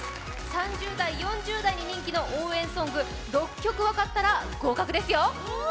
３０代、４０代に人気の応援ソング、６曲分かったら合格ですよ。